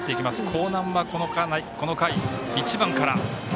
興南は、この回１番から。